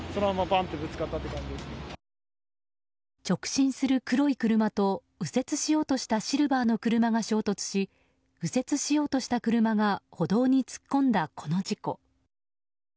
直進する黒い車と右折しようとしたシルバーの車が衝突し右折しようとした車が歩道に突っ込んだこの事故。